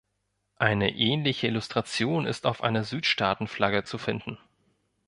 Eine ähnliche Illustration ist auf einer Südstaaten-Flagge zu finden.